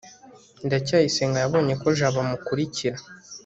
ndacyayisenga yabonye ko jabo amukurikira